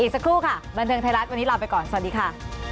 สักครู่ค่ะบันเทิงไทยรัฐวันนี้ลาไปก่อนสวัสดีค่ะ